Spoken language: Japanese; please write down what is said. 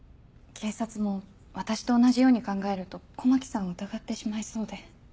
警察も私と同じように考えると狛木さんを疑ってしまいそうで。